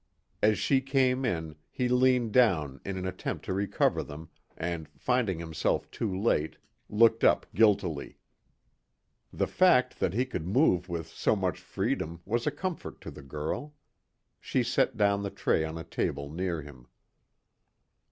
As she came in, he leaned down in an attempt to recover them, and finding himself too late, looked up guiltily. The fact that he could move with so much freedom was a comfort to the girl. She set down the tray on a table near him.